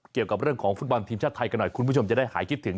เกี่ยวกับเรื่องของฟุตบอลทีมชาติไทยกันหน่อยคุณผู้ชมจะได้หายคิดถึง